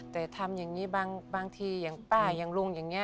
แต่ทำอย่างนี้บางทีอย่างป้าอย่างลุงอย่างนี้